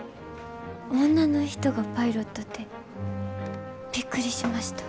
女の人がパイロットってびっくりしました。